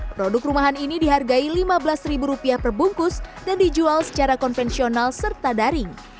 produk rumahan ini dihargai lima belas ribu rupiah per bungkus dan dijual secara konvensional serta daring